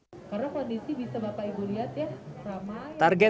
karena kondisi bisa bapak ibu lihat ya ramai